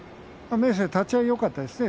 明生立ち合いよかったですね。